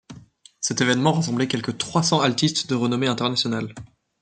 Cet événement rassemblait quelque trois-cents altistes de renommée internationale.